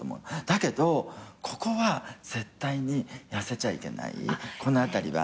だけどここは絶対に痩せちゃいけないこの辺りは。